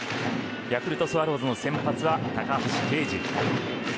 ヤクルトスワローズの先発は高橋奎二。